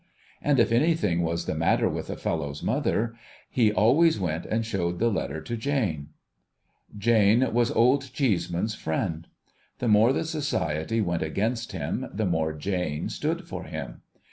And if anything was the matter with a fellow's mother, he always went and showed the letter to Jane. Jane was (Jld Cheeseman's friend. The more the Society went against him, the more Jane stood by him.